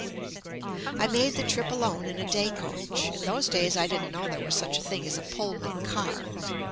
I made the trip alone in a day coach (in those days I didn't know there was such a thing as a Pullman car)